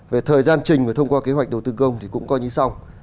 về thời gian trình và thông qua kế hoạch đầu tư công thì cũng coi như xong